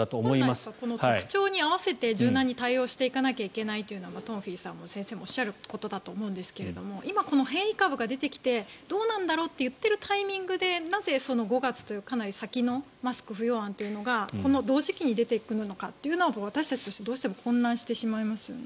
本来、この特徴に合わせて柔軟に対応していかなきゃいけないというのが東輝さんも先生もおっしゃることだと思うんですが今、変異株が出てきてどうなんだろうと言っているタイミングでなぜ、５月というかなり先のマスク不要案というのがこの同時期に出てくるのか私たちとして、どうしても混乱してしまいますよね。